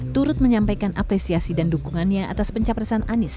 turut menyampaikan apresiasi dan dukungannya atas pencapresan anies